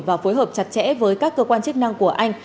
và phối hợp chặt chẽ với các cơ quan chức năng của anh